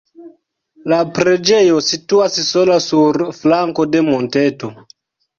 La preĝejo situas sola sur flanko de monteto.